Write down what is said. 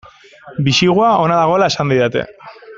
Bisigua ona dagoela esan didate.